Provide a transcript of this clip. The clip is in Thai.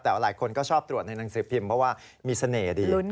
เพราะว่ามีเสน่ห์ดี